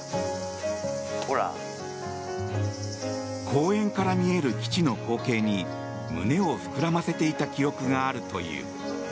公園から見える基地の光景に胸を膨らませていた記憶があるという。